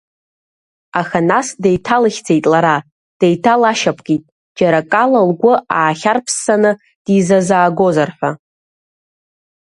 Аха нас деиҭалыхьӡеит лара, деиҭалашьапкит, џьара акала лгәы аахьарԥссаны дизазаагозар ҳәа.